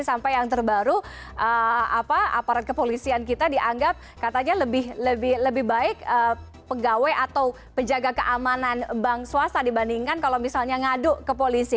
sampai yang terbaru aparat kepolisian kita dianggap katanya lebih baik pegawai atau penjaga keamanan bank swasta dibandingkan kalau misalnya ngadu ke polisi